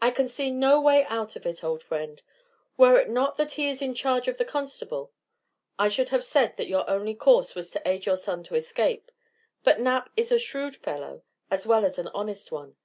"I can see no way out of it, old friend. Were it not that he is in charge of the constable, I should have said that your only course was to aid your son to escape; but Knapp is a shrewd fellow as well as an honest one.